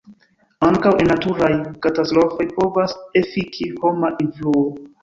Ankaŭ en naturaj katastrofoj povas efiki homa influo.